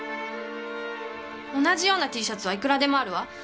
同じようなＴシャツはいくらでもあるわ。